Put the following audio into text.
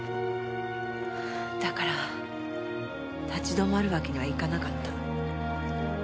だから立ち止まるわけにはいかなかった。